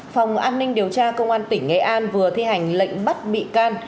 phòng an ninh điều tra công an tỉnh nghệ an vừa thi hành lệnh bắt bị can